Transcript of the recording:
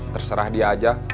terserah dia aja